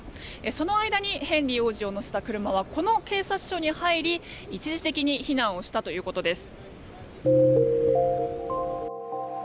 その間にヘンリー王子を乗せた車はこの警察署に入り、一時的に避難をしたということです。